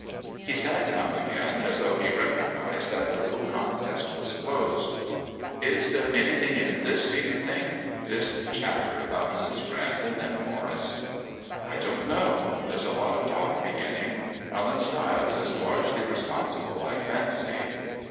He sat down again as though he recognised that the little contest was closed. "Is there anything in this, do you think? This chatter about Mrs. Brandon and Morris." "I don't know. There's a lot of talk beginning. Ellen Stiles is largely responsible, I fancy."